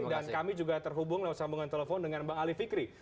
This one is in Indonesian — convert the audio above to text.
dan kami juga terhubung lewat sambungan telepon dengan bang ali fikri